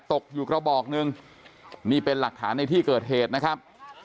ตกอยู่กระบอกหนึ่งนี่เป็นหลักฐานในที่เกิดเหตุนะครับ